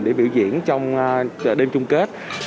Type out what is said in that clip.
để biểu diễn trong đêm chung kết